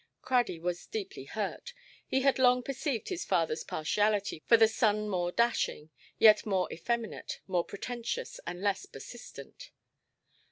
Craddy was deeply hurt; he had long perceived his fatherʼs partiality for the son more dashing, yet more effeminate, more pretentious, and less persistent.